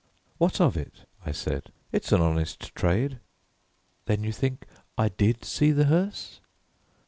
"What of it?" I said. "It's an honest trade." "Then you think I did see the hearse?"